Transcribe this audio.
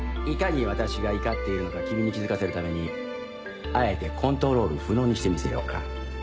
いかに私が怒っているのか君に気付かせるためにあえてコントロール不能にしてみせようか？